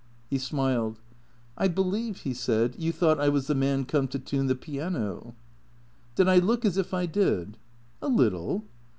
He smiled. " I believe," he said, " you thought I was the man come to tune the piano." "Did I look as if I did?" " A little."